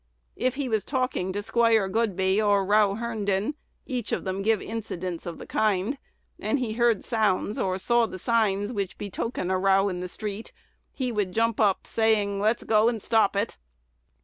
If he was talking to Squire Godbey or Row Herndon (each of them give incidents of the kind), and he heard the sounds or saw the signs which betoken a row in the street, he would jump up, saying, "Let's go and stop it."